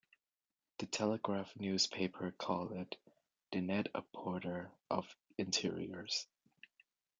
The Telegraph Newspaper called it 'the Net-a-Porter of interiors'.